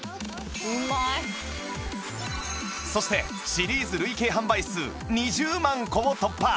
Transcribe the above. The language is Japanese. そしてシリーズ累計販売数２０万個を突破